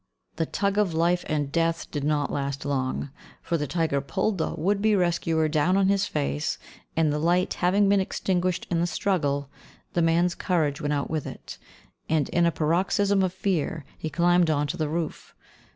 The tug of life and death did not last long, for the tiger pulled the would be rescuer down on his face, and, the light having been extinguished in the struggle, the man's courage went out with it, and, in a paroxysm of fear, he climbed on to the roof.